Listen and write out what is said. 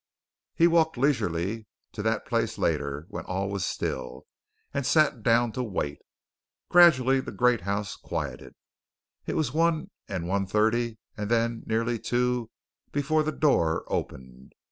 He walked leisurely to that place later when all was still, and sat down to wait. Gradually the great house quieted. It was one and one thirty, and then nearly two before the door opened.